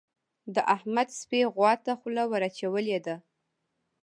د احمد سپي غوا ته خوله ور اچولې ده.